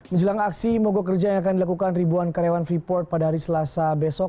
menjelang aksi mogok kerja yang akan dilakukan ribuan karyawan freeport pada hari selasa besok